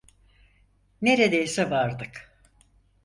Neredeyse vardık.